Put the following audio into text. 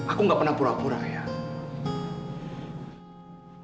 aku nggak pernah pura pura ayah